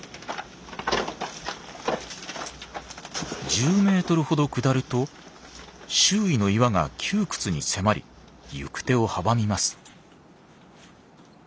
１０メートルほど下ると周囲の岩が窮屈に迫り行く手を阻みます。